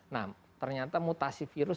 nah ternyata mutasi virus